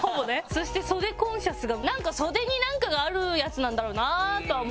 そして「袖コンシャス」が袖になんかがあるやつなんだろうなとは思ったけど。